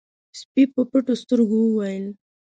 سپي په پټو سترګو وويل: